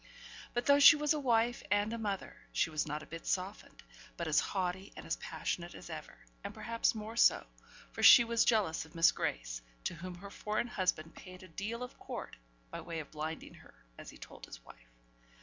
But though she was a wife and a mother, she was not a bit softened, but as haughty and as passionate as ever; and perhaps more so, for she was jealous of Miss Grace, to whom her foreign husband paid a deal of court by way of blinding her as he told his wife.